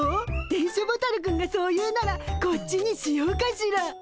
電書ボタルくんがそう言うならこっちにしようかしら。